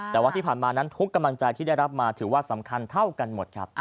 แต่ว่าที่ผ่านมานั้นทุกกำลังใจที่ได้รับมาถือว่าสำคัญเท่ากันหมดครับ